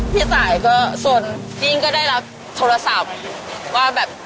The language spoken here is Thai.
พี่ตายสนจริงก็ได้รับโทรศัพท์